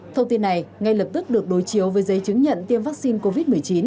thông tin này ngay lập tức được đối chiếu với giấy chứng nhận tiêm vaccine covid một mươi chín